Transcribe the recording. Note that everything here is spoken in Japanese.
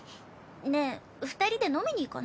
ねえ二人で飲みに行かない？